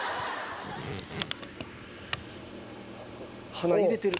鼻入れてる。